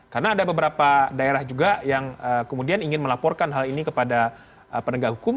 karena ada beberapa daerah juga yang kemudian ingin melaporkan hal ini kepada penegak hukum